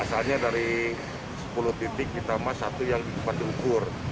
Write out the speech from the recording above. asalnya dari sepuluh titik kita mas satu yang di patiokur